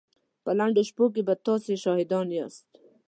په لنډو شپو کې به تاسې شاهدان ياست.